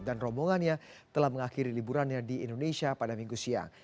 dan rombongannya telah mengakhiri liburannya di indonesia pada minggu siang